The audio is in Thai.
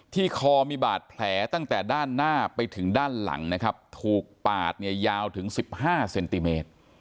คอมีบาดแผลตั้งแต่ด้านหน้าไปถึงด้านหลังนะครับถูกปาดเนี่ยยาวถึง๑๕เซนติเมตร